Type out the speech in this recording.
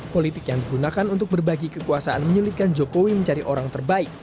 politik yang digunakan untuk berbagi kekuasaan menyulitkan jokowi mencari orang terbaik